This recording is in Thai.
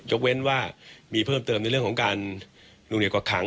ยกเว้นว่ามีเพิ่มเติมในเรื่องของการนุ่นเหนียวกว่ากหัง